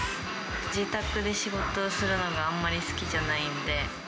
自宅で仕事をするのがあんまり好きじゃないので。